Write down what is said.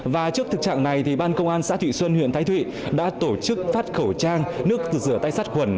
và trước thực trạng này ban công an xã thụy xuân huyện thái thụy đã tổ chức phát khẩu trang nước rửa tay sát khuẩn